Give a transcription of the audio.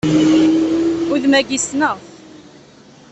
Udem-agi, ssneɣ-t!